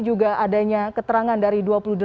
juga adanya keterangan dari dua puluh delapan